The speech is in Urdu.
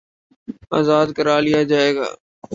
آزاد کرا لیا جائے گا